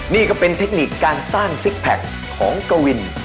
นี่ก็เป็นเทคนิคการสร้างซิกแพคของกวิน